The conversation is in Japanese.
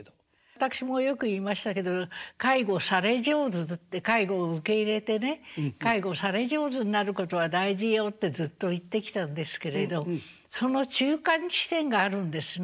私もよく言いましたけど介護され上手って介護を受け入れてね介護され上手になることは大事よってずっと言ってきたんですけれどその中間地点があるんですね。